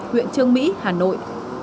huyện trương mỹ hà nội